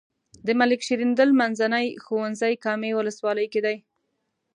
د ملک شیریندل منځنی ښوونځی کامې ولسوالۍ کې دی.